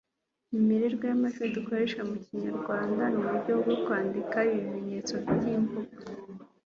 imiremerwe y'amajwi dukoresha mu kinyarwanda n'uburyo bwo kwandika ibimenyetso by'imvugo